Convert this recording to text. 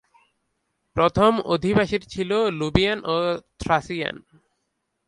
প্রথম অধিবাসীরা ছিল লুভিয়ান ও থ্রাসিয়ান।